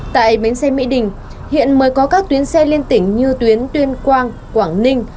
tại bến xe mỹ đình hiện mới có các tuyến xe liên tỉnh như tuyến tuyên quang quảng ninh